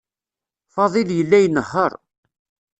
Fadil yella inehheṛ.